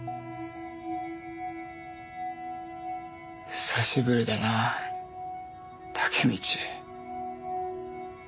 久しぶりだなタケミチ。